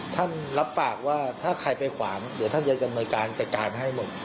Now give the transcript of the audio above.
รับปากว่าถ้าใครไปขวางเดี๋ยวท่านจะดำเนินการจัดการให้หมด